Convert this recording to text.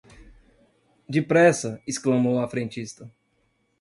Depressa! Exclamou a frentista